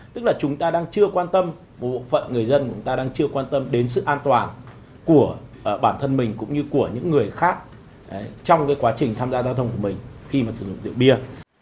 tức là chúng ta đang chưa quan tâm một bộ phận người dân của chúng ta đang chưa quan tâm đến sự an toàn của bản thân mình cũng như của những người khác trong cái quá trình tham gia giao thông của mình khi mà sử dụng rượu bia